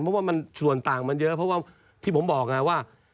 เพราะว่ามันส่วนต่างมันเยอะเพราะว่าที่ผมบอกไงว่า